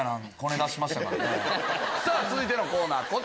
さぁ続いてのコーナー